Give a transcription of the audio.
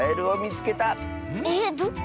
えっどこ？